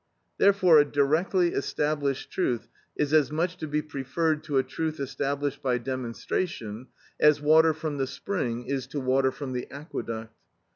Therefore a directly established truth is as much to be preferred to a truth established by demonstration as water from the spring is to water from the aqueduct.